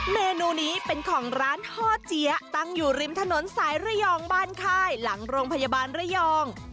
เมนูนี้เป็นของร้านฮ่อเจี๊ยะตั้งอยู่ริมถนนสายระยองบ้านค่ายหลังโรงพยาบาลระยอง